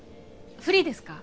フリーですか？